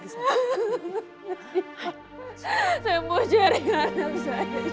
saya mau cari anak saya